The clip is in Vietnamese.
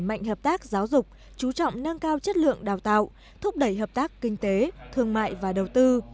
mạnh hợp tác giáo dục chú trọng nâng cao chất lượng đào tạo thúc đẩy hợp tác kinh tế thương mại và đầu tư